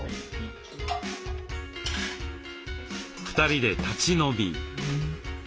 ２人で立ち飲み。